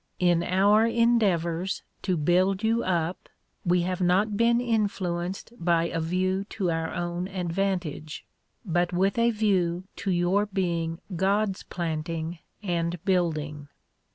In our endeavours to build you up, we have not been influenced by a view to our own advantage, but with a view to your being God's planting and building.